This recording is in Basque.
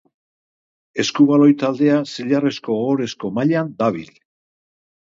Eskubaloi taldea Zilarrezko Ohorezko mailan dabil.